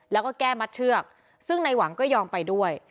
แล้วก็แก้มัดเชือกซึ่งในหวังก็ยอมไปด้วย